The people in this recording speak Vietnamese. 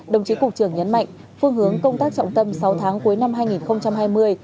đồng chí cục trưởng nhấn mạnh phương hướng công tác trọng tâm sáu tháng cuối năm hai nghìn hai mươi